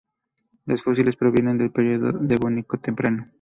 Los fósiles provienen del período Devónico temprano.